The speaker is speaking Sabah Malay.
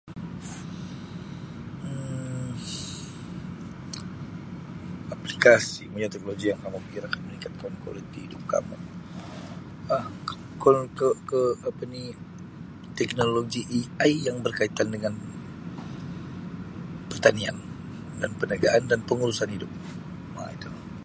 Um [unintelligible] teknologi yang kamu fikirkan meningkatkan kualiti hidup kamu Um [unintelligible] Ke-ke apa ni teknologi AI yang berkaitan dengan pertanian dan perniagaan dan pengurusan hidup Um itu.